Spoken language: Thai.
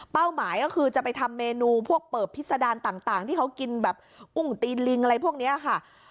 หมายก็คือจะไปทำเมนูพวกเปิบพิษดารต่างที่เขากินแบบกุ้งตีนลิงอะไรพวกนี้ค่ะ